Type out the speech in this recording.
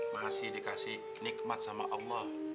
masih dikasih nikmat sama allah